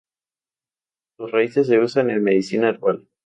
Sus raíces se usan en medicina herbal.